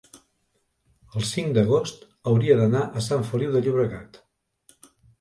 el cinc d'agost hauria d'anar a Sant Feliu de Llobregat.